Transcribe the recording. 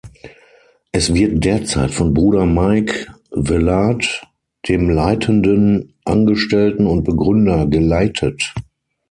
Es wird derzeit von Bruder Mike Velarde, dem leitenden Angestellten und Begründer, geleitet.